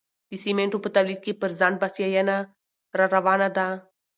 د سمنټو په تولید کې پر ځان بسیاینه راروانه ده.